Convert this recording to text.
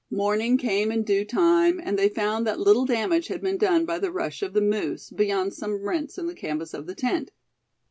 Morning came in due time, and they found that little damage had been done by the rush of the moose, beyond some rents in the canvas of the tent.